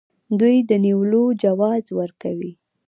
دوی د نیولو جواز ورکوي.